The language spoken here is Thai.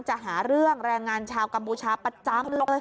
จะหาเรื่องแรงงานชาวกัมพูชาประจำเลย